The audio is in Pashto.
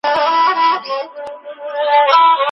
دا هغه مانا وه چې د کلمو په بڼه نه وه راغلې.